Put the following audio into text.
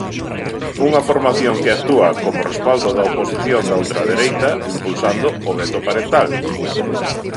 Unha formación que actúa "como respaldo da posición da ultradereita" impulsando o veto parental.